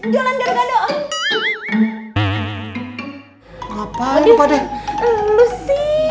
berarti enggak usah lagi jualan gado gado